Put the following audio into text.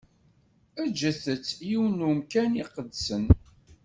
Eǧǧet-tt deg yiwen n umkan iqedsen.